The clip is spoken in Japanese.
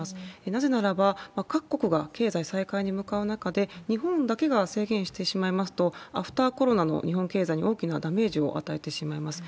なぜならば、各国が経済再開に向かう中で、日本だけが制限してしまいますと、アフターコロナの日本経済に大きなダメージを与えてしまいます。